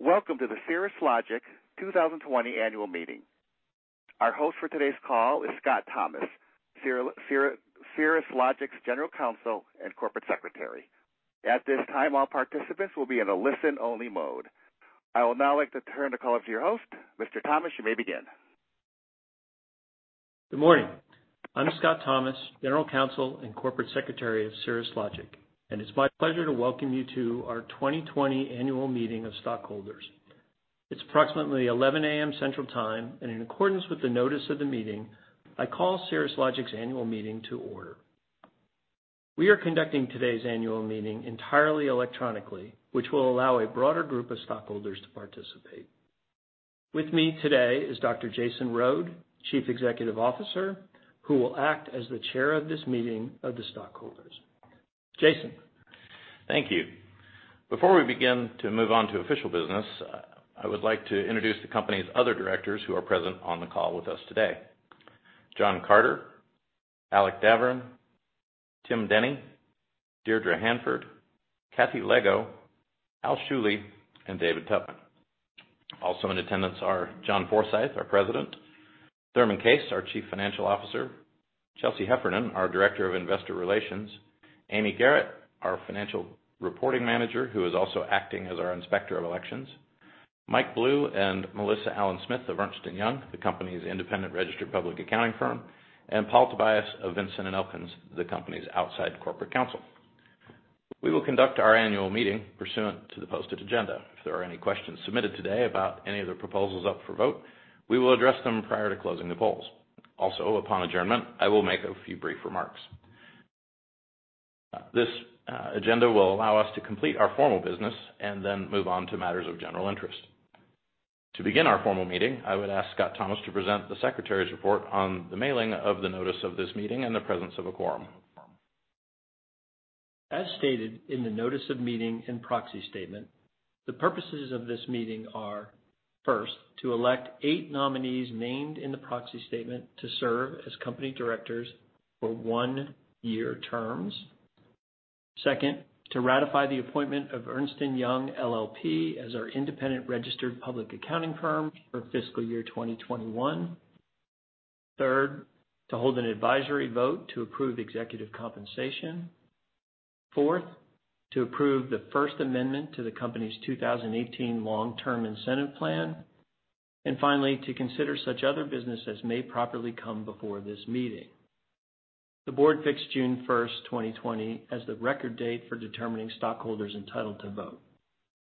Welcome to the Cirrus Logic 2020 annual meeting. Our host for today's call is Scott Thomas, Cirrus Logic's general counsel and corporate secretary. At this time, all participants will be in a listen-only mode. I would now like to turn the call over to your host, Mr. Thomas. You may begin. Good morning. I'm Scott Thomas, General Counsel and Corporate Secretary of Cirrus Logic, and it's my pleasure to welcome you to our 2020 annual meeting of stockholders. It's approximately 11:00 A.M. Central Time, and in accordance with the notice of the meeting, I call Cirrus Logic's annual meeting to order. We are conducting today's annual meeting entirely electronically, which will allow a broader group of stockholders to participate. With me today is Dr. Jason Rhode, Chief Executive Officer, who will act as the chair of this meeting of the stockholders. Jason. Thank you. Before we begin to move on to official business, I would like to introduce the company's other directors who are present on the call with us today, John C. Carter, Alexander M. Davern, Timothy R. Dehne, Deirdre R. Hanford, Catherine P. Lego, Alan R. Schuele, and David J. Tupman. Also in attendance are John Forsyth, our President, Thurman Case, our Chief Financial Officer, Chelsea Heffernan, our Director of Investor Relations, Amy Garrett, our Financial Reporting Manager, who is also acting as our Inspector of Elections, Mike Blue and Melissa Allen-Smith of Ernst & Young, the company's independent registered public accounting firm, and Paul Tobias of Vinson & Elkins, the company's outside corporate counsel. We will conduct our annual meeting pursuant to the posted agenda. If there are any questions submitted today about any of the proposals up for vote, we will address them prior to closing the polls. Also, upon adjournment, I will make a few brief remarks. This agenda will allow us to complete our formal business and then move on to matters of general interest. To begin our formal meeting, I would ask Scott Thomas to present the secretary's report on the mailing of the notice of this meeting and the presence of a quorum. As stated in the notice of meeting and proxy statement, the purposes of this meeting are, first, to elect eight nominees named in the proxy statement to serve as company directors for one-year terms. Second, to ratify the appointment of Ernst & Young, LLP, as our independent registered public accounting firm for fiscal year 2021. Third, to hold an advisory vote to approve executive compensation. Fourth, to approve the first amendment to the company's 2018 Long-Term Incentive Plan. And finally, to consider such other business as may properly come before this meeting. The Board fixed June 1, 2020, as the record date for determining stockholders entitled to vote.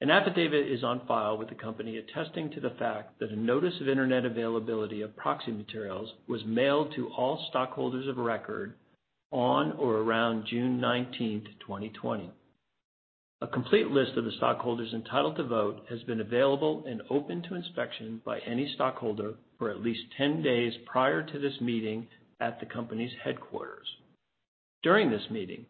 An affidavit is on file with the company attesting to the fact that a notice of internet availability of proxy materials was mailed to all stockholders of record on or around June 19, 2020. A complete list of the stockholders entitled to vote has been available and open to inspection by any stockholder for at least 10 days prior to this meeting at the company's headquarters. During this meeting,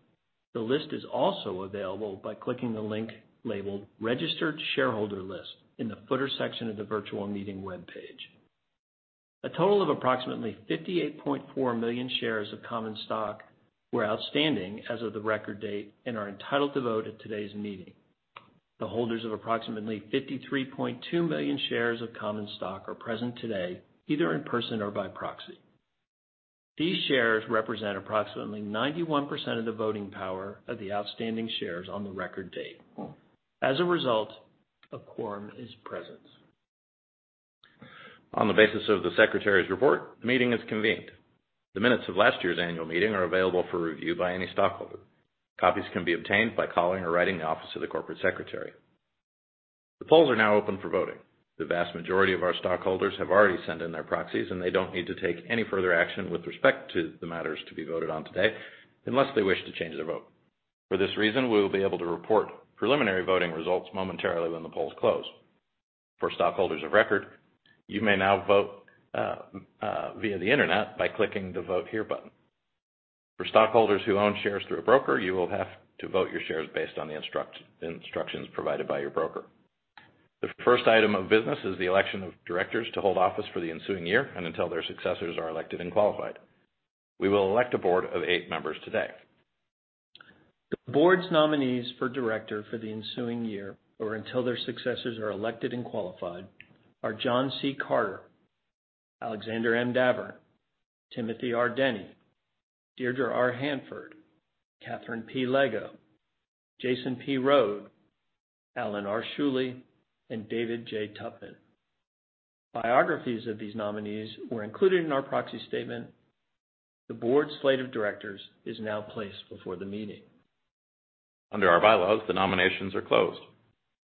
the list is also available by clicking the link labeled Registered Shareholder List in the footer section of the virtual meeting webpage. A total of approximately 58.4 million shares of common stock were outstanding as of the record date and are entitled to vote at today's meeting. The holders of approximately 53.2 million shares of common stock are present today either in person or by proxy. These shares represent approximately 91% of the voting power of the outstanding shares on the record date. As a result, a quorum is present. On the basis of the secretary's report, the meeting is convened. The minutes of last year's annual meeting are available for review by any stockholder. Copies can be obtained by calling or writing the office of the corporate secretary. The polls are now open for voting. The vast majority of our stockholders have already sent in their proxies, and they don't need to take any further action with respect to the matters to be voted on today unless they wish to change their vote. For this reason, we will be able to report preliminary voting results momentarily when the polls close. For stockholders of record, you may now vote via the internet by clicking the Vote Here button. For stockholders who own shares through a broker, you will have to vote your shares based on the instructions provided by your broker. The first item of business is the election of directors to hold office for the ensuing year and until their successors are elected and qualified. We will elect a board of eight members today. The board's nominees for director for the ensuing year or until their successors are elected and qualified are John C. Carter, Alexander M. Davern, Timothy R. Dehne, Deirdre R. Hanford, Catherine P. Lego, Jason P. Rhode, Alan R. Schuele, and David J. Tupman. Biographies of these nominees were included in our proxy statement. The board's slate of directors is now placed before the meeting. Under our bylaws, the nominations are closed.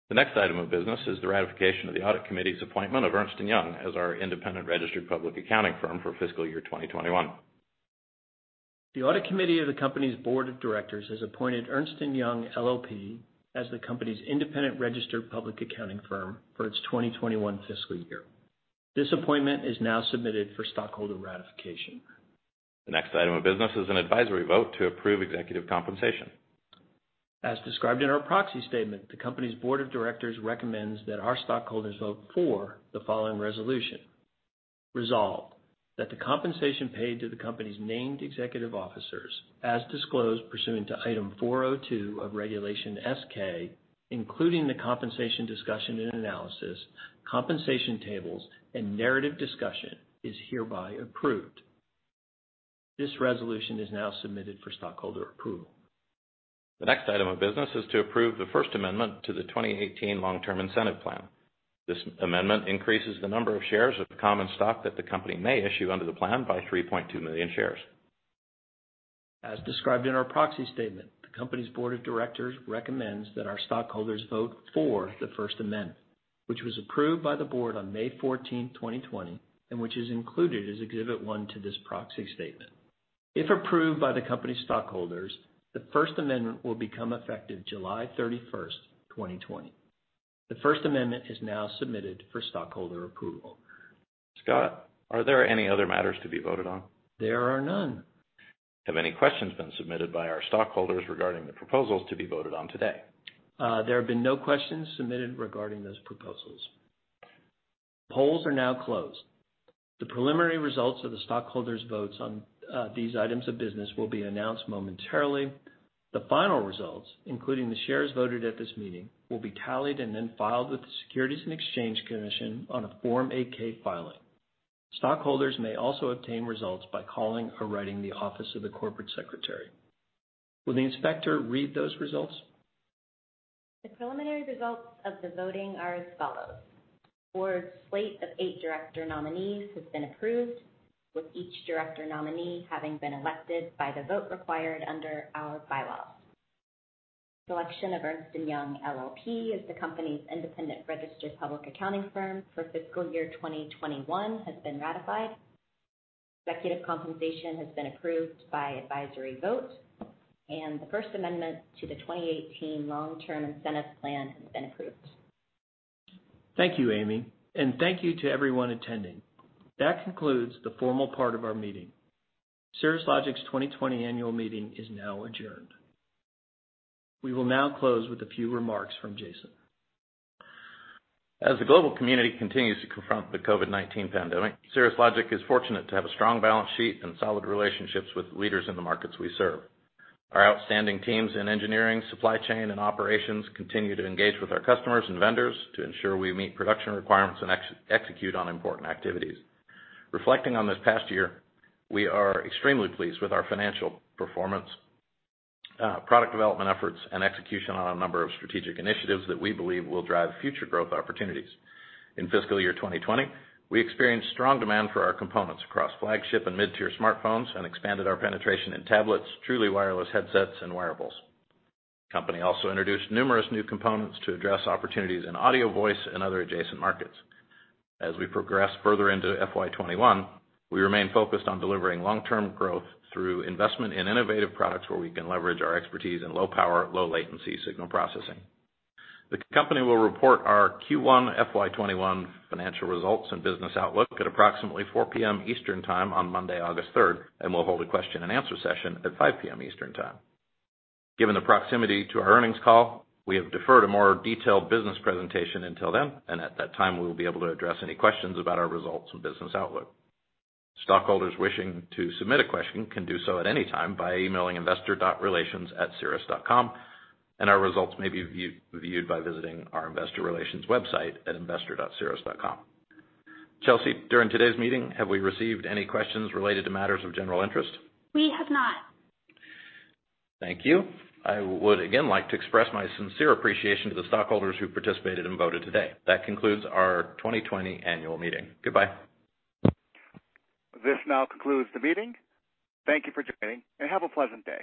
The next item of business is the ratification of the audit committee's appointment of Ernst & Young as our independent registered public accounting firm for fiscal year 2021. The audit committee of the company's board of directors has appointed Ernst & Young, LLP, as the company's independent registered public accounting firm for its 2021 fiscal year. This appointment is now submitted for stockholder ratification. The next item of business is an advisory vote to approve executive compensation. As described in our proxy statement, the company's board of directors recommends that our stockholders vote for the following resolution. Resolved that the compensation paid to the company's named executive officers, as disclosed pursuant to Item 402 of Regulation S-K, including the compensation discussion and analysis, compensation tables, and narrative discussion, is hereby approved. This resolution is now submitted for stockholder approval. The next item of business is to approve the first amendment to the 2018 Long-Term Incentive Plan. This amendment increases the number of shares of common stock that the company may issue under the plan by 3.2 million shares. As described in our proxy statement, the company's board of directors recommends that our stockholders vote for the first amendment, which was approved by the board on May 14, 2020, and which is included as Exhibit 1 to this proxy statement. If approved by the company's stockholders, the first amendment will become effective July 31, 2020. The first amendment is now submitted for stockholder approval. Scott, are there any other matters to be voted on? There are none. Have any questions been submitted by our stockholders regarding the proposals to be voted on today? There have been no questions submitted regarding those proposals. Polls are now closed. The preliminary results of the stockholders' votes on these items of business will be announced momentarily. The final results, including the shares voted at this meeting, will be tallied and then filed with the Securities and Exchange Commission on a Form 8-K filing. Stockholders may also obtain results by calling or writing the office of the corporate secretary. Will the inspector read those results? The preliminary results of the voting are as follows: The board's slate of eight director nominees has been approved, with each director nominee having been elected by the vote required under our bylaws. The selection of Ernst & Young, LLP, as the company's independent registered public accounting firm for fiscal year 2021 has been ratified. Executive compensation has been approved by advisory vote, and the first amendment to the 2018 Long-Term Incentive Plan has been approved. Thank you, Amy, and thank you to everyone attending. That concludes the formal part of our meeting. Cirrus Logic's 2020 annual meeting is now adjourned. We will now close with a few remarks from Jason. As the global community continues to confront the COVID-19 pandemic, Cirrus Logic is fortunate to have a strong balance sheet and solid relationships with leaders in the markets we serve. Our outstanding teams in engineering, supply chain, and operations continue to engage with our customers and vendors to ensure we meet production requirements and execute on important activities. Reflecting on this past year, we are extremely pleased with our financial performance, product development efforts, and execution on a number of strategic initiatives that we believe will drive future growth opportunities. In fiscal year 2020, we experienced strong demand for our components across flagship and mid-tier smartphones and expanded our penetration in tablets, truly wireless headsets, and wearables. The company also introduced numerous new components to address opportunities in audio, voice, and other adjacent markets. As we progress further into FY 2021, we remain focused on delivering long-term growth through investment in innovative products where we can leverage our expertise in low-power, low-latency signal processing. The company will report our Q1 FY 2021 financial results and business outlook at approximately 4:00 P.M. Eastern Time on Monday, August 3, and will hold a question-and-answer session at 5:00 P.M. Eastern Time. Given the proximity to our earnings call, we have deferred a more detailed business presentation until then, and at that time, we will be able to address any questions about our results and business outlook. Stockholders wishing to submit a question can do so at any time by emailing investor.relations@cirrus.com, and our results may be viewed by visiting our investor relations website at investor.cirrus.com. Chelsea, during today's meeting, have we received any questions related to matters of general interest? We have not. Thank you. I would again like to express my sincere appreciation to the stockholders who participated and voted today. That concludes our 2020 annual meeting. Goodbye. This now concludes the meeting. Thank you for joining, and have a pleasant day.